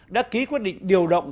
đã ký quyết định điều động